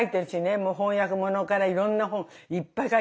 もう翻訳ものからいろんな本いっぱい書いてるでしょ。